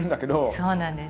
そうなんです。